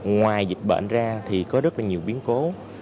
ngoài dịch bệnh ra thì có rất là nhiều biến cố